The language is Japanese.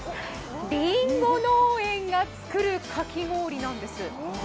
りんご農園が作るかき氷なんです。